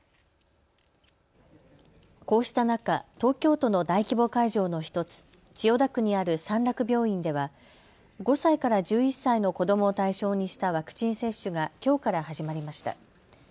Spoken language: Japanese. こうした中、東京都の大規模会場の１つ、千代田区にある三楽病院では５歳から１１歳の子どもを対象にしたワクチン接種がきょうから始まりました。